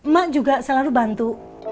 mak juga selalu bantu